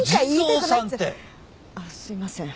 あっすいません。